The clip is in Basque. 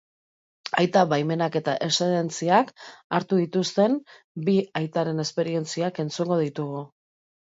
Aita baimenak eta eszedentziak hartu dituzten bi aitaren esperientziak entzungo ditugu.